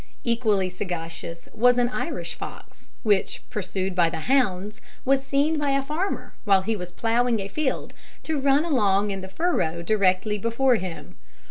Equally sagacious was an Irish fox, which, pursued by the hounds, was seen by a farmer, while he was ploughing a field, to run along in the furrow directly before him.